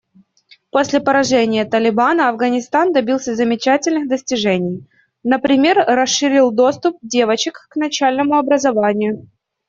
После поражения «Талибана» Афганистан добился замечательных достижений, например расширил доступ девочек к начальному образованию.